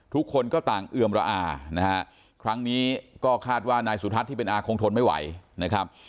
ทุกคนก็ต่างเอือมระอานะฮะครั้งนี้ก็คาดว่านายสุทัศน์ที่เป็นอาคงทนไม่ไหวนะครับ